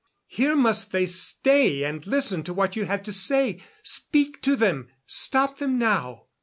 Here must they stay and listen to what you have to say. Speak to them; stop them now."